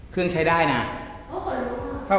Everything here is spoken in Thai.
เครื่องใช้ได้นะ